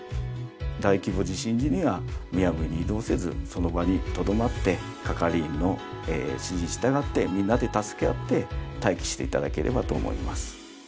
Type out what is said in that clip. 大規模地震時にはむやみに移動せずその場に留まって係員の指示に従ってみんなで助け合って待機して頂ければと思います。